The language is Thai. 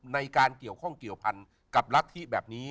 ในการเกี่ยวข้องเกี่ยวพันกับรัฐธิแบบนี้